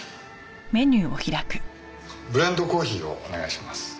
ブレンドコーヒーをお願いします。